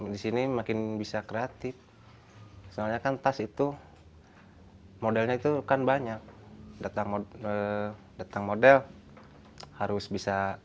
di sini makin bisa kreatif soalnya kan tas itu modelnya itu kan banyak datang model harus bisa